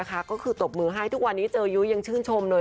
ก็คือตบมือให้ทุกวันนี้เจอยุ้ยยังชื่นชมเลย